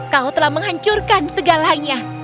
kau telah menghancurkan segalanya